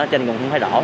cho nên mình không hay đổ